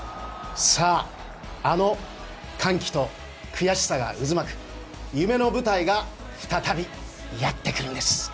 さああの歓喜と悔しさが渦巻く夢の舞台が再びやってくるんです。